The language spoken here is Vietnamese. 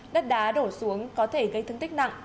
đất đá đổ xuống có thể gây thương tích nặng